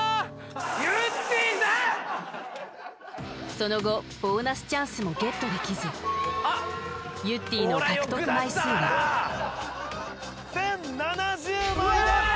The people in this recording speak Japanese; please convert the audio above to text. その後ボーナスチャンスもゲットできずゆってぃの獲得枚数は１０７０枚ですえ！